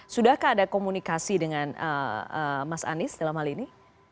sudahkah ada komunikasi dengan mas anies dalam hal ini